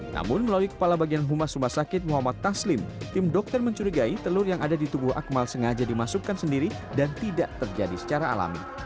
namun melalui kepala bagian humas rumah sakit muhammad taslim tim dokter mencurigai telur yang ada di tubuh akmal sengaja dimasukkan sendiri dan tidak terjadi secara alami